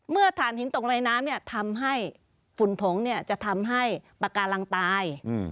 เมื่อถ่านหินตกน้ำเนี่ยทำให้ฝุ่นผงเนี่ยจะทำให้ปากกาลังตาย